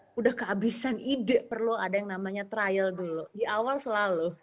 sudah kehabisan ide perlu ada yang namanya trial dulu di awal selalu